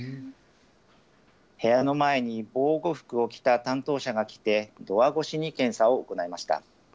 部屋の前に防護服を着た担当者が来て、ドア越しに検査を行いました。